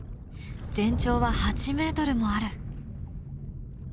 全長は８ｍもある。